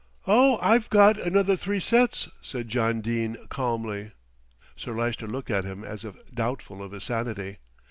"Oh! I've got another three sets," said John Dene calmly. Sir Lyster looked at him as if doubtful of his sanity.